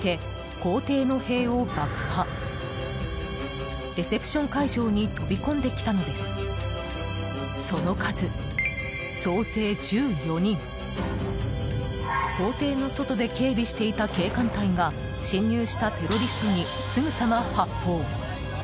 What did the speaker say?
公邸の外で警備していた警官隊が侵入したテロリストにすぐさま発砲。